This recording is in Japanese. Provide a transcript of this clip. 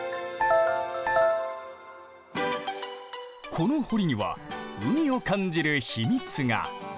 この堀には海を感じる秘密が。